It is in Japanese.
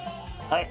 はい。